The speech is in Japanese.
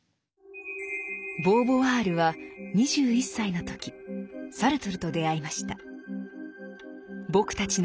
ボーヴォワールは２１歳の時サルトルと出会いました。